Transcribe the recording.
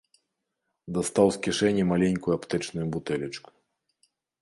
Дастаў з кішэні маленькую аптэчную бутэлечку.